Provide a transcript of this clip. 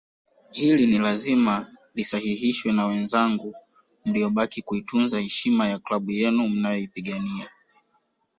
Hili ni lazima lisahihishwe na wenzangu mliobaki kuitunza heshima ya klabu yenu mnayoipigania